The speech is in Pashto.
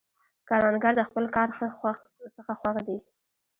کروندګر د خپل کار څخه خوښ دی